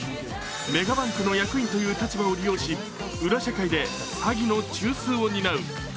メガバンクの役員という立場を利用し、裏社会で詐欺の中枢を担う。